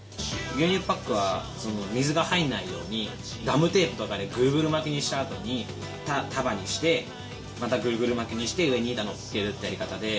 牛乳パックは水が入らないようにガムテープとかでグルグル巻きにしたあとに束にしてまたグルグル巻きにして上に板をのっけるっていうやり方で。